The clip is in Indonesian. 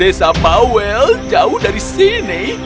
desa pawel jauh dari sini